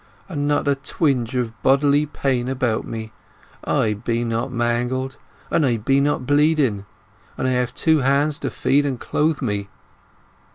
"And not a twinge of bodily pain about me! I be not mangled, and I be not bleeding, and I have two hands to feed and clothe me."